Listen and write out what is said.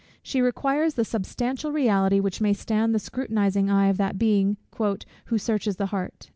She requires the substantial reality, which may stand the scrutinizing eye of that Being "who searches the heart."